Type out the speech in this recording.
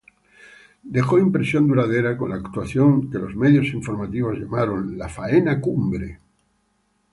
Dejó impresión duradera con la actuación que los medios informativos llamaron ""La Faena Cumbre"".